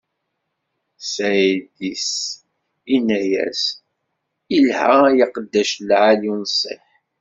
Ssid-is inna-as: Ilha, ay aqeddac lɛali, unṣiḥ!